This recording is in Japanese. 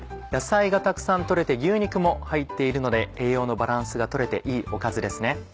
野菜がたくさん取れて牛肉も入っているので栄養のバランスが取れていいおかずですね。